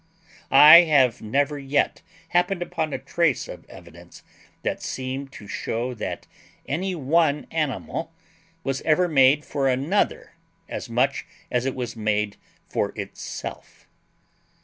I have never yet happened upon a trace of evidence that seemed to show that any one animal was ever made for another as much as it was made for itself.